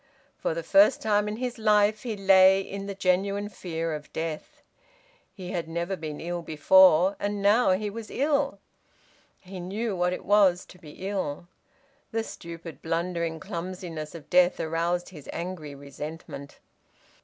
For the first time in his life he lay in the genuine fear of death. He had never been ill before. And now he was ill. He knew what it was to be ill. The stupid, blundering clumsiness of death aroused his angry resentment.